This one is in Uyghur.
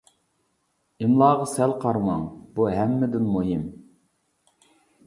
ئىملاغا سەل قارىماڭ، بۇ ھەممىدىن مۇھىم.